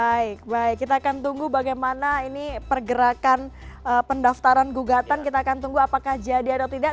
baik baik kita akan tunggu bagaimana ini pergerakan pendaftaran gugatan kita akan tunggu apakah jadi atau tidak